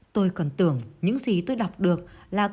tôi còn tưởng những gì tôi đọc được là câu chuyện